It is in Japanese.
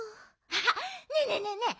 あっねえねえねえねえ！